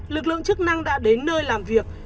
lực lượng chức năng đã đến nơi làm việc